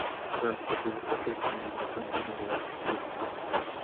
Durante su juicio escapó y se unió al entonces ilegal Partido Comunista.